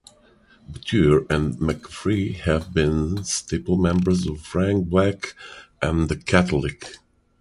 Boutier and McCaffrey have been staple members of Frank Black and the Catholics.